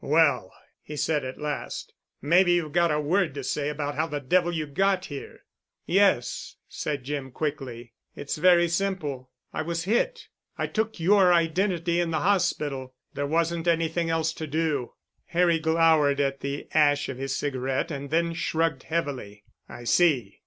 "Well," he said at last, "maybe you've got a word to say about how the devil you got here." "Yes," said Jim quickly. "It's very simple. I was hit. I took your identity in the hospital. There wasn't anything else to do." Harry glowered at the ash of his cigarette and then shrugged heavily. "I see.